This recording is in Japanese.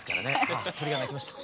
あ鳥が鳴きました。